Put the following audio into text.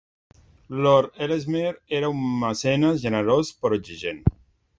Lord Ellesmere era un mecenes generós però exigent.